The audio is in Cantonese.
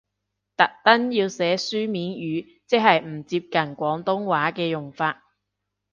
特登要寫書面語，即係唔接近廣東話嘅用法？